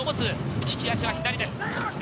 利き足は左です。